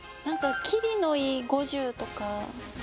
何か切りのいい５０とか。